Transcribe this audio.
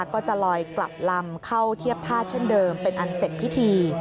ก็จะลอยกลับลำเข้าเทียบท่าเช่นเดิมเป็นอันเสร็จพิธี